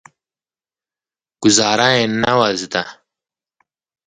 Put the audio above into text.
ګوزارا یې نه وه زده.